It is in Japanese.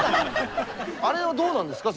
あれはどうなんですか？